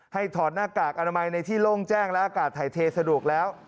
ถอดหน้ากากอนามัยในที่โล่งแจ้งและอากาศถ่ายเทสะดวกแล้ว